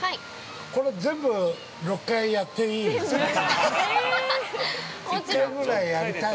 これ全部６回やっていい？